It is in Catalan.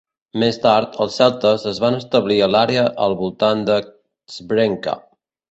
Més tard, els celtes es van establir a l'àrea al voltant de Crvenka.